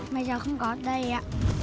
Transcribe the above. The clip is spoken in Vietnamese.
mẹ cháu không có ở đây ạ